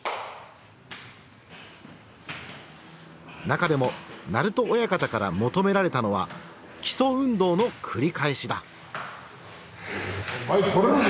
中でも鳴戸親方から求められたのは基礎運動の繰り返しだ。